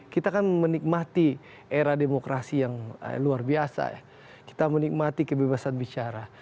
kita kan menikmati era demokrasi yang luar biasa ya kita menikmati kebebasan bicara